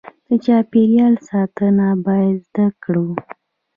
د چاپیریال ساتنه باید زده کړو.